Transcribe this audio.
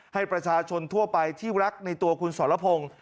ให้ประชาชนทั่วไปที่รักในตัวคุณสรพงศ์